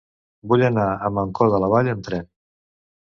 Vull anar a Mancor de la Vall amb tren.